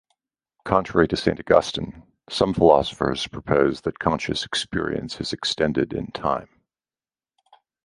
Contrary to Saint Augustine, some philosophers propose that conscious experience is extended in time.